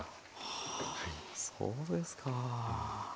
はあそうですか。